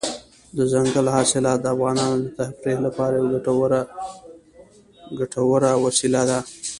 دځنګل حاصلات د افغانانو د تفریح لپاره یوه ګټوره وسیله ده.